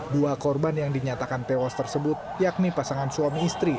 dua korban yang dinyatakan tewas tersebut yakni pasangan suami istri